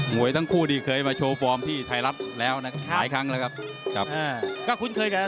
หมวยทั้งคู่ที่เคยมาโชว์ฟอร์มที่ไทยรัฐแล้วนะฮะแขนแล้วครับก็คุ้นเคยกับอาธารณี